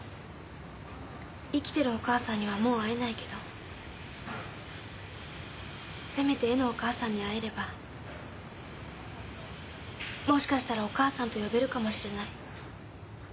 生きてるお母さんにはもう会えないけどせめて絵のお母さんに会えればもしかしたらお母さんと呼べるかもしれない。